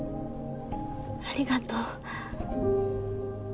ありがとう。